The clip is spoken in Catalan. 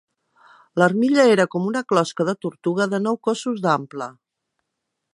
L'armilla era com una closca de tortuga, de nou cossos d'ample.